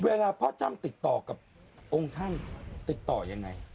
เวลาพ่อจ้ำติดต่อกับองค์ท่านติดต่อยังไง